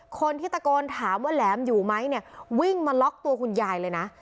คนที่ตะโกนถามว่าแหลมอยู่ไหมเนี่ยวิ่งมาล็อกตัวคุณยายเลยนะ